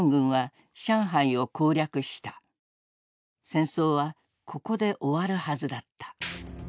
戦争はここで終わるはずだった。